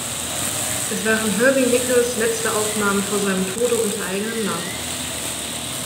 Es waren Herbie Nichols’ letzte Aufnahmen vor seinem Tode unter eigenem Namen.